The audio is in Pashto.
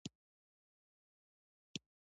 د اوسني یرغل هدف معلومول دي.